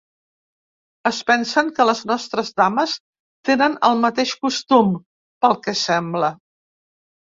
Es pensen que les nostres dames tenen el mateix costum, pel que sembla.